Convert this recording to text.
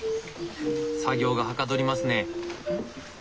作業がはかどりますね。